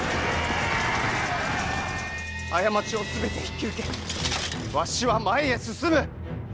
過ちを全て引き受けわしは前へ進む！